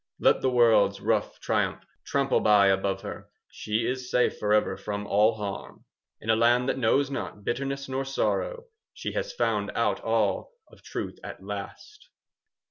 "Let the world's rough triumph Trample by above her, 10 She is safe forever From all harm. "In a land that knows not Bitterness nor sorrow, She has found out all 15 Of truth at last."